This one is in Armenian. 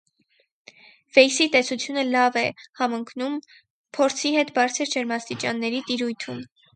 Վեյսի տեսությունը լավ է համընկնում փորձի հետ բարձր ջերմաստիճանների տիրույթում։